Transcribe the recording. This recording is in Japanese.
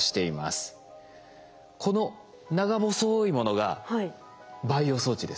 この長細いものが培養装置です。